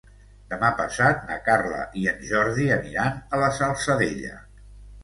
Demà passat na Carla i en Jordi aniran a la Salzadella.